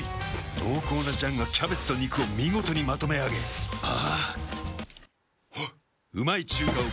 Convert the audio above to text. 濃厚な醤がキャベツと肉を見事にまとめあげあぁあっ。